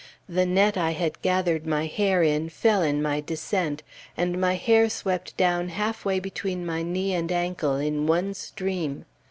The net I had gathered my hair in, fell in my descent, and my hair swept down halfway between my knee and ankle in one stream.